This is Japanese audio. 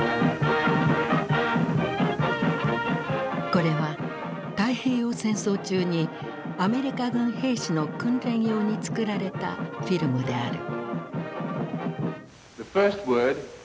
これは太平洋戦争中にアメリカ軍兵士の訓練用に作られたフィルムである。